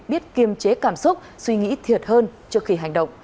biết kiêm chế cảm xúc suy nghĩ thiệt hơn trước khi hành động